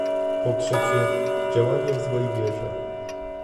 Po trzecie, działanie w złej wierze